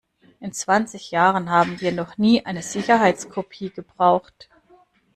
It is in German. In zwanzig Jahren haben wir noch nie eine Sicherheitskopie gebraucht.